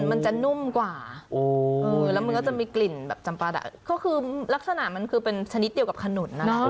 มันจะนุ่มกว่าแล้วมันก็จะมีกลิ่นแบบจำปลาดะก็คือลักษณะมันคือเป็นชนิดเดียวกับขนุน